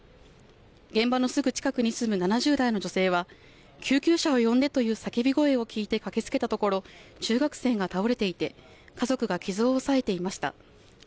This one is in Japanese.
現場のすぐ近くに住む７０代の女性は救急車を呼んでという叫び声を聞いて駆けつけたところ、中学生が倒れていて家族が傷を押さえていました。